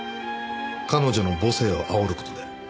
彼女の母性を煽る事で。